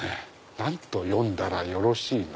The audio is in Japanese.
何と読んだらよろしいの？